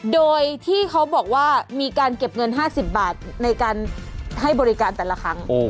โดยที่เขาบอกว่ามีการเก็บเงิน๕๐บาทในการให้บริการแต่ละครั้ง